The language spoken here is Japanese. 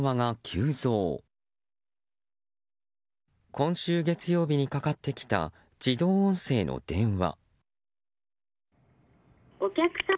今週月曜日にかかってきた自動音声の電話。